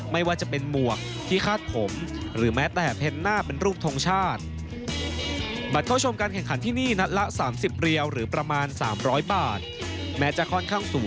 มาวันนี้ชุดนี้ผมว่าวันนี้จะชนะแน่นอนครับ